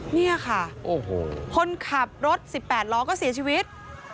นี่ค่ะคนขับรถ๑๘ล้อก็เสียชีวิต